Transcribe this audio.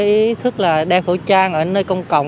ý thức đeo khẩu trang ở nơi công cộng